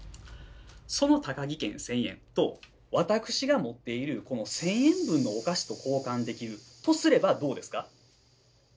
その「タカギ券１，０００えん」と私が持っているこの１，０００円分のお菓子と交換できるとすればどうですか？